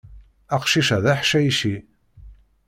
Aqcic-a d aḥcayci.